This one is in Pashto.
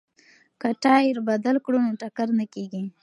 که ټایر بدل کړو نو ټکر نه کیږي.